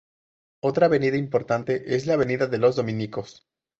Otra avenida importante es la Avenida Los Dominicos.